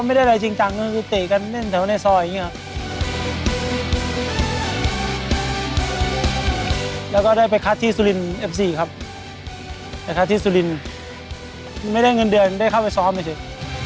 ไม่ได้เงินเดือนเด้าได้เข้าไปซ้อมดีเฉย